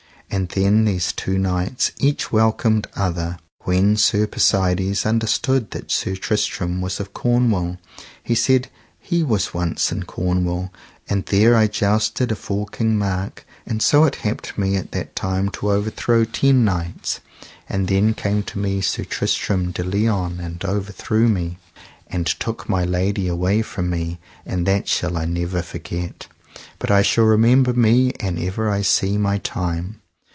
And then these two knights each welcomed other. And when Sir Persides understood that Sir Tristram was of Cornwall, he said he was once in Cornwall: And there I jousted afore King Mark; and so it happed me at that time to overthrow ten knights, and then came to me Sir Tristram de Liones and overthrew me, and took my lady away from me, and that shall I never forget, but I shall remember me an ever I see my time.